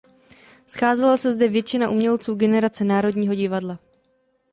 Scházela se zde většina umělců generace Národního divadla.